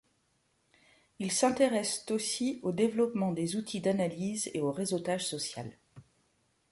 Ils s'intéressent aussi au développement des outils d'analyse et au réseautage social.